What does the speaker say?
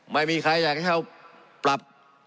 ไม่มีใครอยากให้เขาปรับ